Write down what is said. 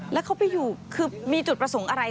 แล้วเขาไปอยู่คือมีจุดประสงค์อะไร